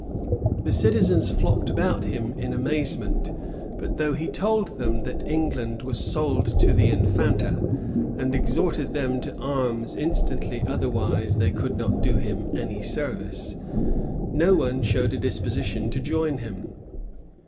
The citizens flocked about him in amazement; but though he told them that England was sold to the infanta, and exhorted them to arms instantly otherwise they could not do him any service, no one showed a disposition to join him.